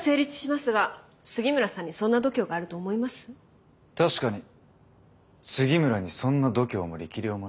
確かに杉村にそんな度胸も力量もない。